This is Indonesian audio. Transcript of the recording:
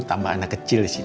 tambah anak kecil sih